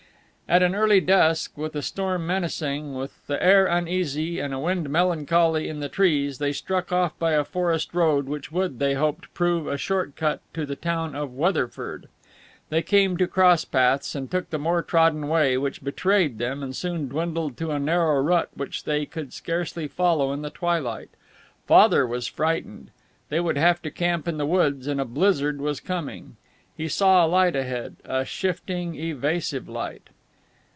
At an early dusk, with a storm menacing, with the air uneasy and a wind melancholy in the trees, they struck off by a forest road which would, they hoped, prove a short cut to the town of Weatherford. They came to cross paths, and took the more trodden way, which betrayed them and soon dwindled to a narrow rut which they could scarcely follow in the twilight. Father was frightened. They would have to camp in the woods and a blizzard was coming. He saw a light ahead, a shifting, evasive light.